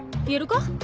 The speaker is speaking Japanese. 言えるか？